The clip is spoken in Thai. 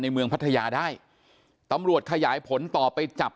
เมืองพัทยาได้ตำรวจขยายผลต่อไปจับ